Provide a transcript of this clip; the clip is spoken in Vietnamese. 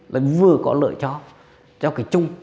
và vừa có lợi cho cái chung